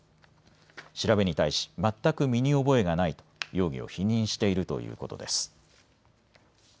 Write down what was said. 調べに対し全く身に覚えがないと容疑を否認しているということです。